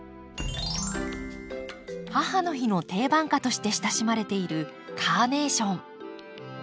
母の日の定番花として親しまれているカーネーション。